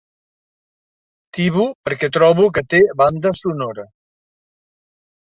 Tibo perquè trobo que té banda sonora.